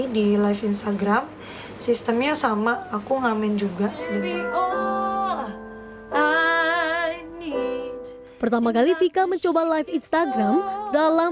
di live instagram sistemnya sama aku ngamen juga dengan pertama kali vika mencoba live instagram dalam